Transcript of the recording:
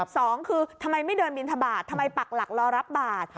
สองคือทำไมไม่เดินบินทบาททำไมปักหลักรอรับบาท